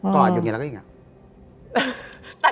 กอดอยู่อย่างนี้แล้วก็อย่างนี้